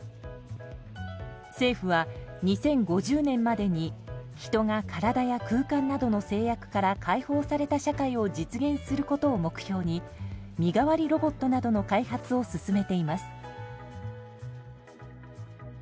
政府は２０５０年までに人が、体や空間などの制約から解放された社会を実現することを目標に身代わりロボットなどの開発を進めています。